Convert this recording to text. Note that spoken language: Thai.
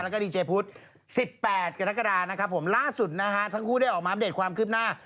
แล้วก็ดีเจพุทธ๑๘กรกฎานะครับผมล่าสุดนะฮะทั้งคู่ได้ออกมาอัปเดตความคืบหน้า